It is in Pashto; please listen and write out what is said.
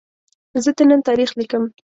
زه د نن تاریخ لیکم.